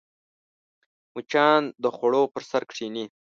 مچان د خوړو پر سر کښېني